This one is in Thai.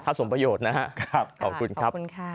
ถ้าสมประโยชน์นะครับขอบคุณครับ